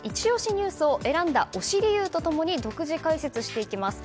ニュースを選んだ推し理由と共に独自解説していきます。